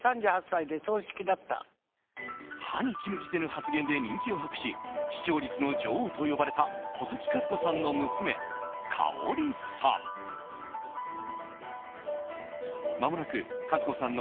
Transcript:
歯に衣着せぬ発言で人気を博し視聴率の女王と呼ばれた細木数子さんの娘かおりさん。